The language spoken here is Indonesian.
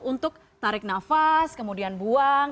untuk tarik nafas kemudian buang